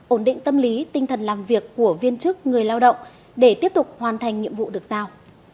ổn định tâm lý tinh thần làm việc của viên chức người lao động để tiếp tục hoàn thành nhiệm vụ được giao